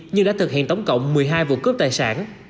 nhưng đã thực hiện tổng cộng một mươi hai vụ cướp tài sản